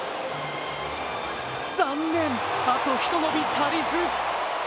残念、あとひと伸び足りず。